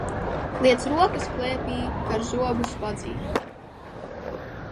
Liec rokas klēpī, kar zobus vadzī!